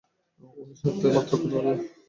উনার সাথে মাত্রই কথা বললাম?